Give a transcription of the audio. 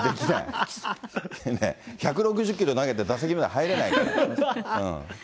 ねぇ、１６０キロ投げて、打席まで入れないから。